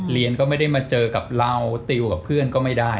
เรียนก็ไม่ได้มาเจอกับเราติวกับเพื่อนก็ไม่ได้